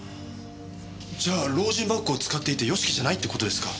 じゃあロージンバッグを使っていた義樹じゃないって事ですか？